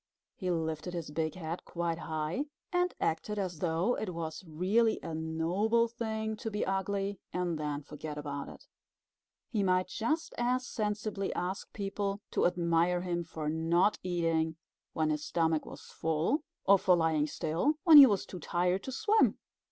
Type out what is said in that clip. He lifted his big head quite high, and acted as though it was really a noble thing to be ugly and then forget about it. He might just as sensibly ask people to admire him for not eating when his stomach was full, or for lying still when he was too tired to swim.